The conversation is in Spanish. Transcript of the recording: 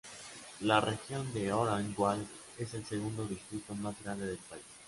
La región de Orange Walk es el segundo distrito más grande del país.